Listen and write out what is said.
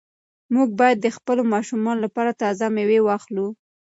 موږ باید د خپلو ماشومانو لپاره تازه مېوې واخلو.